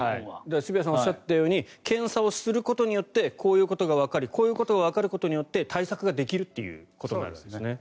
渋谷さんがおっしゃったように検査をすることによってこういうことがわかりこういうことがわかることによって対策ができるっていうことなんですね。